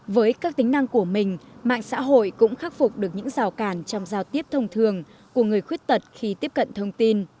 với các tính năng của mình mạng xã hội cũng khắc phục được những rào cản trong giao tiếp thông thường của người khuyết tật khi tiếp cận thông tin